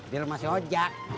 biar masih ojak